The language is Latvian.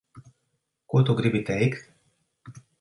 Ko tu gribi teikt?